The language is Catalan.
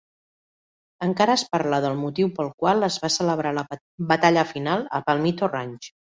Encara es parla del motiu pel qual es va celebrar la batalla final a Palmito Ranch.